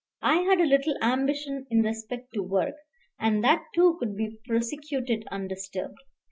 I had a little ambition in respect to work, and that too could be prosecuted undisturbed.